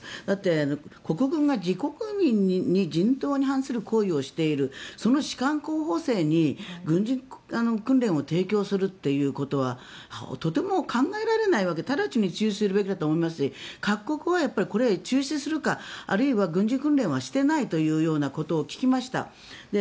だって、国軍が自国民に人道に反する行為をしているその士官候補生に軍事訓練を提供するということはとても考えられないわけでただちに中止するべきだと思いますし各国はこれ、中止するかあるいは軍事訓練はしていないというようなことを聞きました。